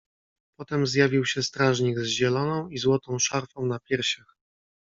"Potem zjawił się strażnik z zieloną i złotą szarfą na piersiach."